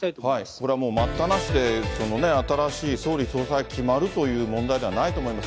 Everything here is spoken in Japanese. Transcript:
これはもう待ったなしで、新しい総理総裁決まるという問題ではないと思います。